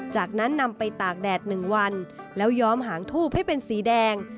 จากนั้นนำไปตากแดด๑วันแล้วย้อมหางทูบให้เป็นสีแดง